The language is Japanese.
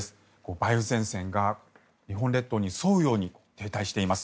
梅雨前線が日本列島に沿うように停滞しています。